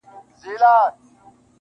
• شاعره ویښ یې کنه-